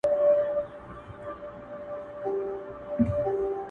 هره شپه به وي خپړي په نوکرځو-